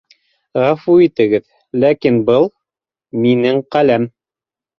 Ғәфү итегеҙ, ләкин был... минең ҡәләм!